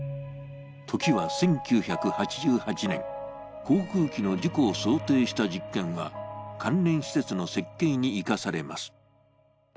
時は１９８８年、航空機の事故を想定した実験は関連施設の設計に生かされます。